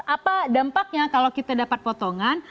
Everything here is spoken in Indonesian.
apa dampaknya kalau kita dapat potongan